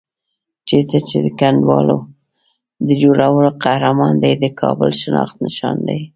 چېرته چې د کنډوالو د جوړولو قهرمان دی، د کابل شناخت نښان دی.